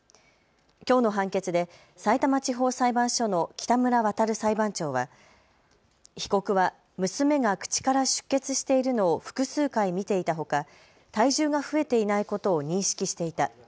きょうの判決でさいたま地方裁判所の北村和裁判長は被告は娘が口から出血しているのを複数回見ていたほか体重が増えていないことを認識していた。